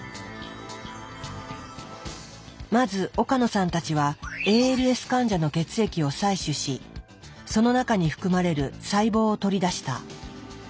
まず岡野さんたちはＡＬＳ患者の血液を採取しその中に含まれる細胞を取り出した。